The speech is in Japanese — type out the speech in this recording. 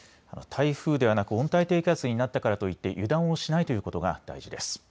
台風ではなく温帯低気圧になったからといって油断をしないということが大事です。